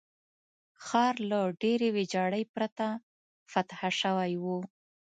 ښار له ډېرې ویجاړۍ پرته فتح شوی وو.